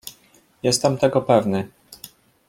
"Jestem tego pewny."